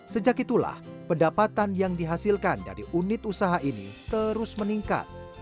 sejak itulah pendapatan yang dihasilkan dari unit usaha ini terus meningkat